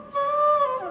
boleh ya bu